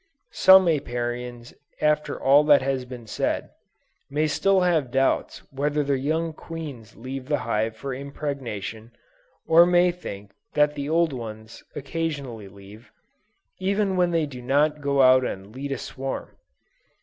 Some Apiarians after all that has been said, may still have doubts whether the young queens leave the hive for impregnation; or may think that the old ones occasionally leave, even when they do not go out to lead a swarm.